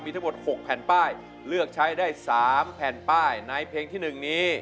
ทั้งหมด๖แผ่นป้ายเลือกใช้ได้๓แผ่นป้ายในเพลงที่๑นี้